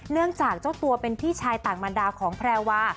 จากเจ้าตัวเป็นพี่ชายต่างบรรดาของแพรวา